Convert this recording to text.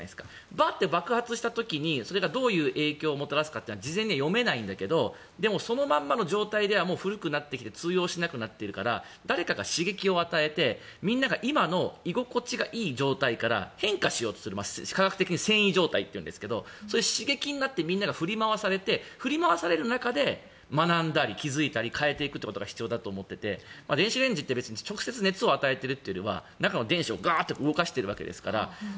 バッと爆発した時に、それがどういう影響をもたらすかは事前には読めないんだけどでも、そのままの状態では古くなって通用しなくなっているから誰かが刺激を与えてみんなが今の居心地がいい状態から変化しようとする科学的に遷移状態というんですが刺激になってみんな振り回されて振り回される中で学んだり気づいたり変えていくということが必要だと思っていて電子レンジって直接熱を与えているよりは中の電子を動かしているわけですから。